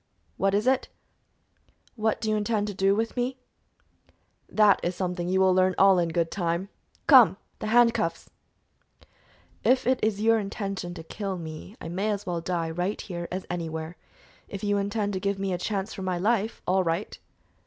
"What is it?" "What do you intend doing with me?" "That is something you will learn all in good time. Come! the handcuffs!" "If it is your intention to kill me, I may as well die right here as anywhere; if you intend to give me a chance for my life, all right."